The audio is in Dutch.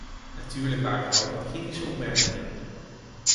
Natuurlijk waren er ook wat kritische opmerkingen.